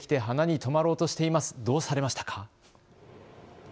どうしましたか。